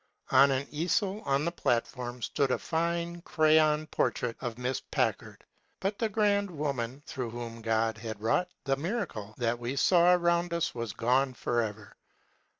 On an easel on the platform stood a fine crayon portrait of Miss Packard, but the .grand woman through whom God had wnntght the miracle that we saw around us was gone forever.